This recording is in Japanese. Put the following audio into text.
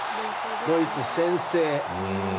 ドイツ、先制。